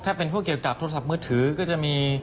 ถ้าเป็นพวกเกี่ยวกับโทรศัพท์มือถือก็จะมี